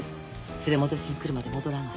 連れ戻しに来るまで戻らない。